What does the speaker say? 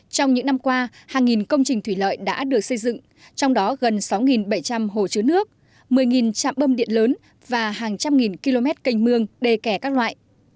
trong những năm qua hàng nghìn công trình thủy lợi đã được xây dựng trong đó gần sáu bảy trăm linh hồ chứa nước một mươi trạm bơm điện lớn và hàng trăm nghìn km canh mương đề kè các loại